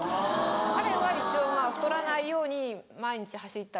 彼は一応太らないように毎日走ったり。